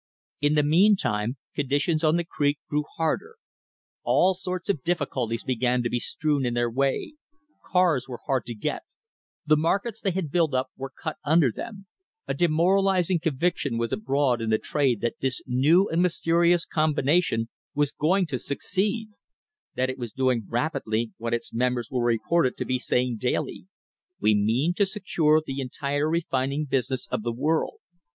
In the mean time conditions on the creek grew harder. All sorts of difficulties began to be strewn in their way — cars were hard to get, the markets they had built up were cut under them — a demoralising conviction was abroad LAYING THE FOUNDATIONS OF A TRUST in the trade that this new and mysterious combination was going to succeed; that it was doing rapidly what its mem bers were reported to be saying daily: "We mean to secure the entire refining business of the world."